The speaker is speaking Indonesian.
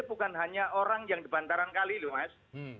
bukan hanya orang yang di bantaran kali loh mas